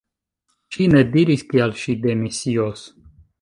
Ŝi ne diris kial ŝi demisios.